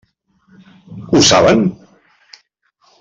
Ho saben?